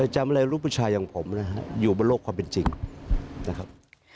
จำเลยลูกผู้ชายอย่างผมนะครับอยู่บนโลกความเป็นจริงนะครับ